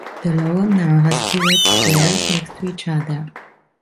The logo now has two red squares next to each other.